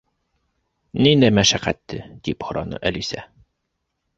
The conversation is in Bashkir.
—Ниндәй мәшәҡәтте? —тип һораны Әлисә.